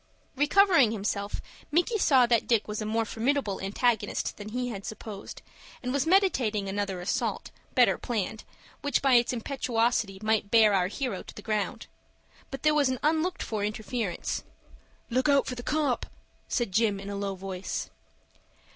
Recovering himself, Micky saw that Dick was a more formidable antagonist than he had supposed, and was meditating another assault, better planned, which by its impetuosity might bear our hero to the ground. But there was an unlooked for interference. "Look out for the 'copp,'" said Jim, in a low voice.